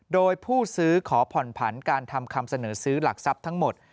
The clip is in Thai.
โดยผู้ซื้อขอผ่อนผันการทำคำเสนอซื้อหลักทรัพย์ทั้งหมด